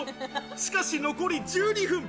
しかし残り１２分。